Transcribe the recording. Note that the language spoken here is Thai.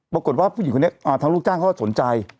ปรากฏว่าผู้หญิงคนนี้ทางลูกจ้างเขาก็สนใจ